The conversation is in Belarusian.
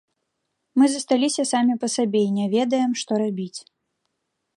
Мы засталіся самі па сабе і не ведаем што рабіць.